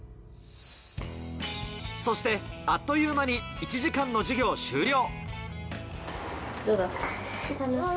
そして、あっという間に１時間の授業終了。